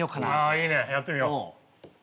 いいねやってみよう。